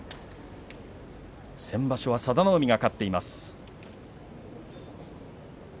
先場所は佐田の海が勝っています。